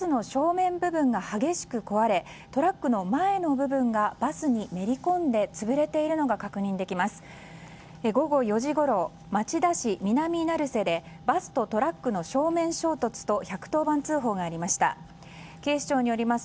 激しく壊れトラックの前の部分がバスにめり込んで潰れているのが分かります。